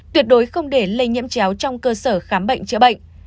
tuyệt đối không để lây nhiễm chéo trong cơ sở khám bệnh chữa bệnh